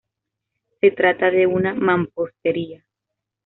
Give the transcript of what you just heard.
Se trata de una mampostería.